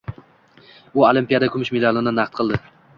. U olimpiada kumush medalini naqd qildi.